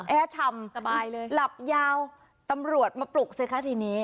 แอร์ชำหลับยาวตำรวจมาปลุกสิคะทีนี้